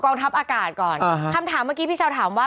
ทัพอากาศก่อนคำถามเมื่อกี้พี่เช้าถามว่า